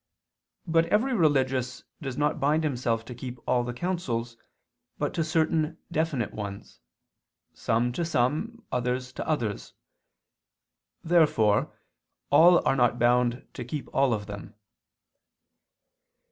But every religious does not bind himself to keep all the counsels, but to certain definite ones, some to some, others to others. Therefore all are not bound to keep all of them.